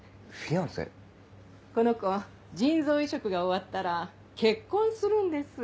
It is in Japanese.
この子腎臓移植が終わったら結婚するんです。